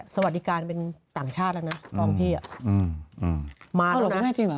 สวัสดีการณ์เป็นต่างชาติแล้วนะพร้อมพี่